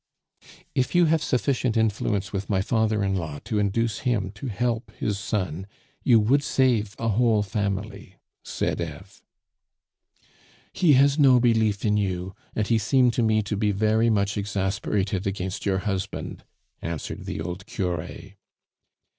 "If you have sufficient influence with my father in law to induce him to help his son, you would save a whole family," said Eve. "He has no belief in you, and he seemed to me to be very much exasperated against your husband," answered the old cure.